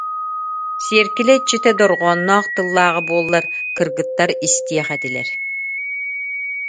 Сиэркилэ иччитэ дорҕоонноох тыллааҕа буоллар кыргыттар истиэх этилэр: